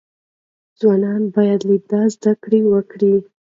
ځوانان باید له ده زده کړه وکړي.